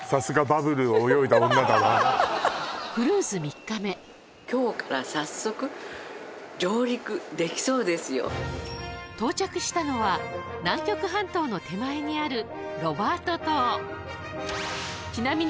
クルーズ到着したのは南極半島の手前にあるロバート島ちなみに